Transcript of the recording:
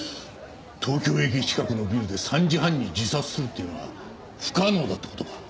東京駅近くのビルで３時半に自殺するっていうのは不可能だって事か？